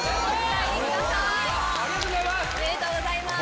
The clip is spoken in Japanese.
ありがとうございます！